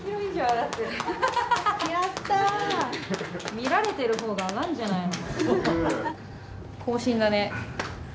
見られてる方が上がるんじゃないの？